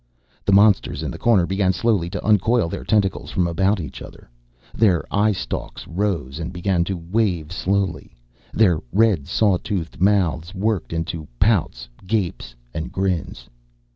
The monsters in the corner began slowly to uncoil their tentacles from about each other. Their eye stalks rose and began to wave slowly. Their red saw toothed mouths worked into pouts, gapes and grins.